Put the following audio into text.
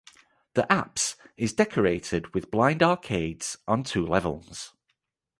The apse is decorated with blind arcades on two levels.